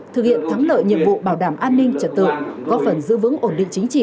thực hiện thắng lợi nhiệm vụ bảo đảm an ninh trật tự góp phần giữ vững ổn định chính trị